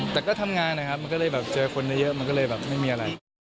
แต่ก็ทำงานนะครับมันก็เลยแบบเจอคนเยอะมันก็เลยแบบไม่มีอะไร